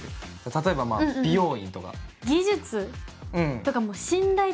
例えば美容院とか。